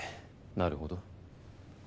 なるほど。